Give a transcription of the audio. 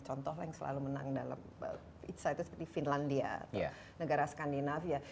contohnya yang selalu menang dalam inside seperti finlandia atau negara skandinavia